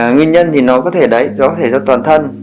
nguyên nhân thì nó có thể đấy do thể do toàn thân